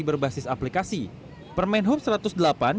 pemerintah yang menanggung pemberlakuan permenhub nomor satu ratus delapan